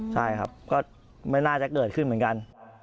ใช่ครับก็ไม่น่าจะเกิดขึ้นเหมือนกัน